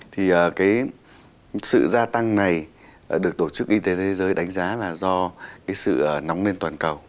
thì sự gia tăng này được tổ chức y tế thế giới đánh giá là do cái sự nóng lên toàn cầu